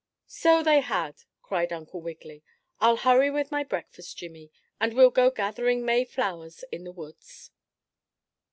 "So they had!" cried Uncle Wiggily. "I'll hurry with my breakfast, Jimmie, and we'll go gathering May flowers in the woods."